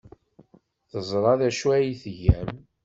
Teẓra d acu ay tgam.